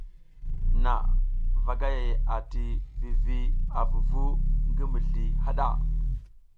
Nha vagayay ati vivi a vuvu ngi mizli haɗa.